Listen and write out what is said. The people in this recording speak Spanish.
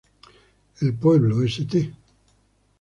El pueblo St.